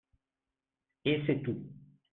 Et c'est tout